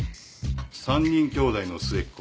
３人きょうだいの末っ子。